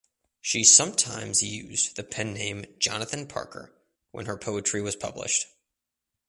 She sometimes used the pen name "Jonathan Parker" when her poetry was published.